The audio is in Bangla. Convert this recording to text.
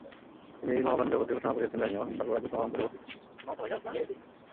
তিনি এই মহাবাণী জগতে ঘোষণা করিয়াছেন জানিও, স্বর্গরাজ্য তোমার অন্তরেই অবস্থিত।